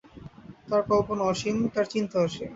তার কল্পনা অসীম, তার চিন্তা অসীম।